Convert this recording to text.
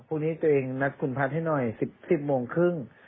พรุ่งนี้ตัวเองนัดคุณพัฒน์ให้หน่อย๑๐โมงครึ่ง